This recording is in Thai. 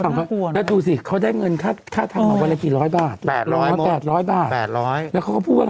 งานนะดูสิเขาได้เงินค่าขนาดเป็นกี่ร้อยบ้าแปดร้อยบาทแปดร้อยบาทแปดร้อย